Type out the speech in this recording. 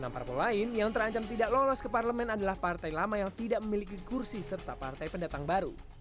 enam parpol lain yang terancam tidak lolos ke parlemen adalah partai lama yang tidak memiliki kursi serta partai pendatang baru